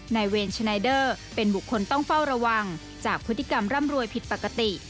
นายเวรชนายเดอร์เป็นบุคคลต้องเฝ้าระวังจากพฤติกรรมร่ำรวยผิดปกติ